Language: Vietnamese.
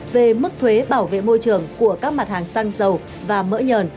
về mức thuế bảo vệ môi trường của các mặt hàng xăng dầu và mỡ nhờn